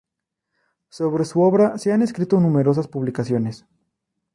Sobre su obra se han escrito numerosas publicaciones.